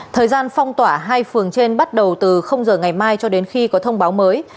thời gian phong tỏa hai phường trên bắt đầu từ giờ ngày mai cho đến khi có thông báo mới